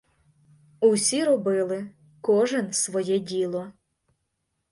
Усі робили кожен своє діло.